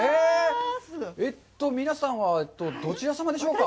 えっと皆さんはどちらさまでしょうか？